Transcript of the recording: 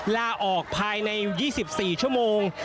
ลาออกภายใน๒๔ชั่วโมง